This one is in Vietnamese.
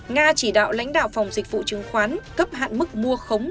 nga chỉ đạo lãnh đạo phòng dịch vụ chứng khoán cấp hạn mức mua khống